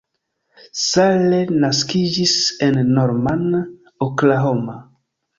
Salle naskiĝis en Norman, Oklahomo.